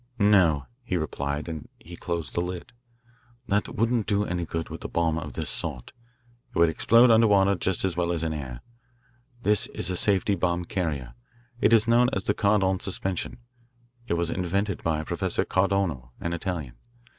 "No," he replied, as he closed the lid, "that wouldn't do any good with a bomb of this sort. It would explode under water just as well as in air. This is a safety bomb carrier. It is known as the Cardon suspension. It was invented by Professor Cardono, an Italian.